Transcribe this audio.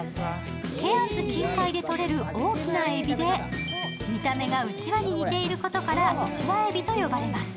ケアンズ近海でとれる大きなえびで見た目がうちわに似ていることから、ウチワエビと呼ばれます。